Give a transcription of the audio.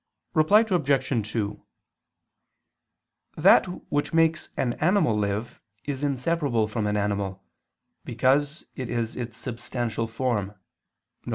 Reply Obj. 2: That which makes an animal live is inseparable from an animal, because it is its substantial form, viz.